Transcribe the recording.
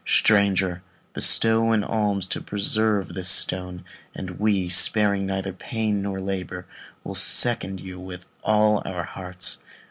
Stranger! bestow an alms to preserve this stone; and we, sparing neither pain nor labour, will second you with all our hearts.